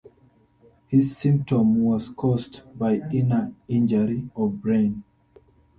His symptom was caused by inner injury of brain.